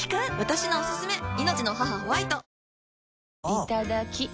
いただきっ！